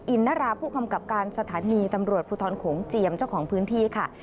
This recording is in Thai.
อินนราผู้กำกับการสถานีตำรวจภูทรโขงเจียมเจ้าของพื้นที่ค่ะ